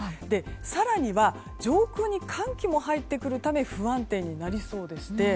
更には、上空に寒気も入ってくるため不安定になりそうでして。